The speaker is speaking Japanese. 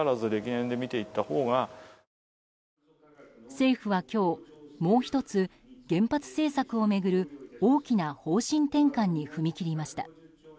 政府は今日、もう１つ原発政策を巡る大きな方針転換に踏み切りました。